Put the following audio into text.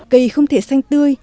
cây không thể xanh tươi